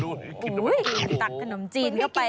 ตุ้ยตักขนมจีนเข้าไป